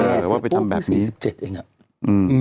เออหรือว่าไปทำแบบนี้อุ้ยสี่สิบเจ็ดเองอ่ะอืม